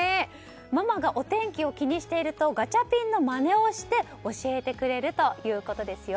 ママがお天気を気にしているとガチャピンのまねをして教えてくれるということです。